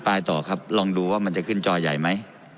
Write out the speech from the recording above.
ต่อครับลองดูว่ามันจะขึ้นจอใหญ่ไหม